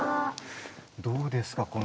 どうですか